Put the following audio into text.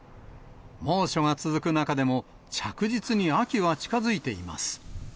猛暑が続く中でも、着実に秋は近づいています。